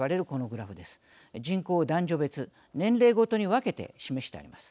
人口を男女別年齢ごとに分けて示してあります。